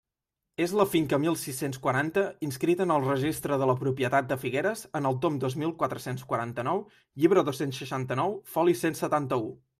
És la finca mil sis-cents quaranta, inscrita en el Registre de la Propietat de Figueres, en el tom dos mil quatre-cents quaranta-nou, llibre dos-cents seixanta-nou, foli cent setanta-u.